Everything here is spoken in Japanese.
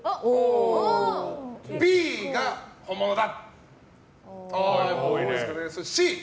Ｂが本物だ。